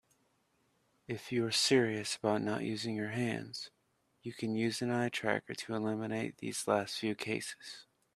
If you're serious about not using your hands, you can use an eye tracker to eliminate these last few cases.